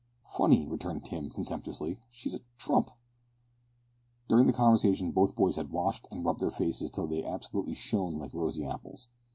"Funny!" returned Tim, contemptuously; "she's a trump!" During the conversation both boys had washed and rubbed their faces till they absolutely shone like rosy apples.